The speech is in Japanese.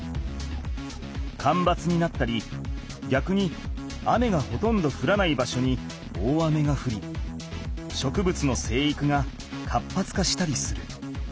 かんばつになったりぎゃくに雨がほとんどふらない場所に大雨がふり植物の生育が活発化したりする。